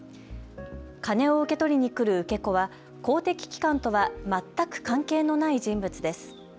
金を受け取りに来る受け子は公的機関とは全く関係のない人物です。